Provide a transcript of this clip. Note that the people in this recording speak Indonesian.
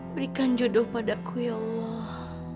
berikan jodoh padaku ya allah